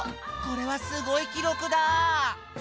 これはすごいきろくだ！